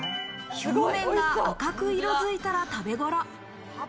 表面が赤く色づいたら食べ頃。